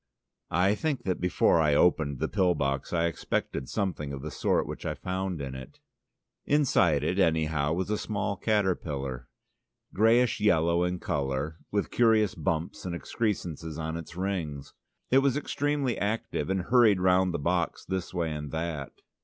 I think that before I opened the pill box I expected something of the sort which I found in it. Inside it, anyhow, was a small caterpillar, greyish yellow in colour, with curious bumps and excrescences on its rings. It was extremely active, and hurried round the box, this way and that.